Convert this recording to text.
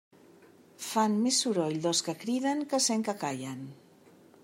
Fan més soroll dos que criden que cent que callen.